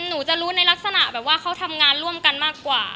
หนูจะรู้ในลักษณะแบบว่าเขาทำงานร่วมกันมากกว่า